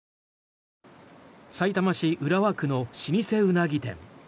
さいたま市浦和区の老舗ウナギ店。